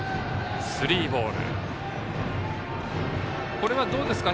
これはどうですか？